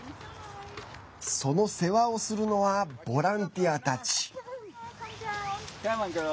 その世話をするのはボランティアたち。